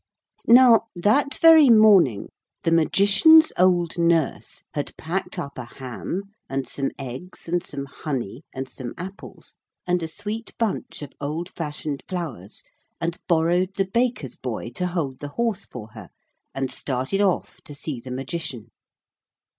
Now that very morning the Magician's old nurse had packed up a ham, and some eggs, and some honey, and some apples, and a sweet bunch of old fashioned flowers, and borrowed the baker's boy to hold the horse for her, and started off to see the Magician.